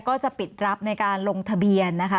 ก็จะปิดรับในการลงทะเบียนนะคะ